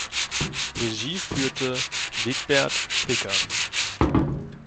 Regie führte Wigbert Wicker.